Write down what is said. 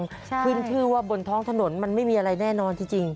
ใช่ขึ้นชื่อว่าบนท้องถนนมันไม่มีอะไรแน่นอนจริง